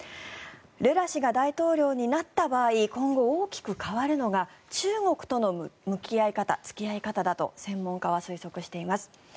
ルラ氏が大統領になった場合今後、大きく変わるのが中国との向き合い方付き合い方だと専門家は推測しています。